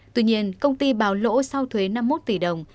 tuy nhiên công ty báo lỗ sau thuế năm mươi một tỷ đồng